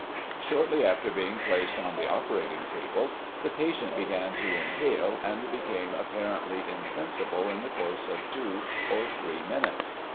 Shortly after being placed on the operating table, the patient began to inhale, and be came apparently insensible in the course of two or three minutes.